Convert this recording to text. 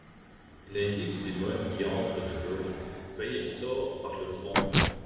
Il indique Simone qui entre de gauche, puis il sort par le fond.